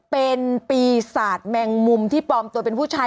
เป็นปีศาสตร์แมงมุมที่ปรอมเป็นผู้ชาย